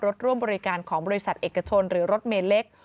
ร่วมบริการของบริษัทเอกชนหรือรถเมย์เล็ก